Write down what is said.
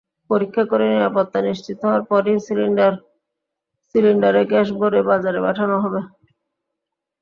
পরীক্ষা করে নিরাপত্তা নিশ্চিত হওয়ার পরই সিলিন্ডারে গ্যাস ভরে বাজারে পাঠানো হবে।